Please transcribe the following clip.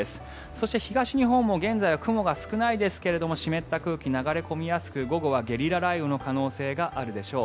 そして東日本も現在は雲が少ないですが湿った空気が流れ込みやすく午後はゲリラ雷雨の可能性があるでしょう。